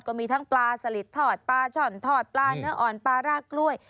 ก็มีทั้งปลาสลิดทอดปลาช่อนทอดปลาเนื้ออ่อนปลาร่ากล้วย